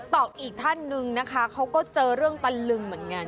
อกอีกท่านนึงนะคะเขาก็เจอเรื่องตะลึงเหมือนกัน